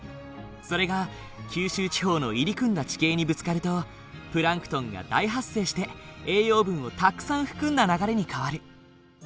それが九州地方の入り組んだ地形にぶつかるとプランクトンが大発生して栄養分をたくさん含んだ流れに変わる。